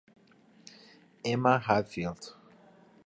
Emma Hadfield.